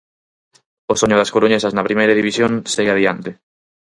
O soño das coruñesas na Primeira División segue adiante.